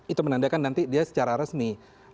itu menandakan nanti dia secara resmi